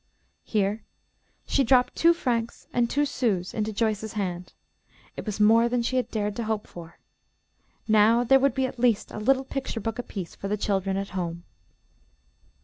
Here she dropped two francs and two sous into Joyce's hand. It was more than she had dared to hope for. Now there would be at least a little picture book apiece for the children at home.